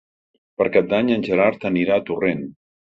Per Cap d'Any en Gerard anirà a Torrent.